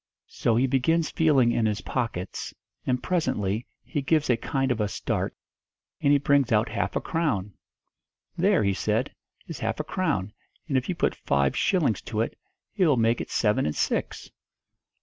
"So he begins feeling in his pockets, and, presently, he gives a kind of a start, and he brings out half a crown. 'There,' he said, 'is half a crown; and if you put five shillings to it, it will make it seven and six!'